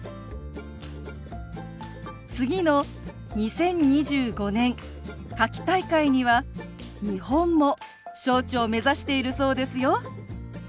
次の２０２５年夏季大会には日本も招致を目指しているそうですよ。